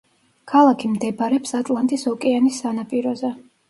ქალაქი მდებარებს ატლანტის ოკეანის სანაპიროზე.